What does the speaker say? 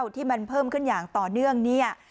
ที่มันเพิ่มขึ้นอย่างต่อเนื่องเนี่ย